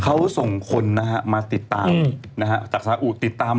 เขาส่งคนมาติดตามจากสาอุติดตาม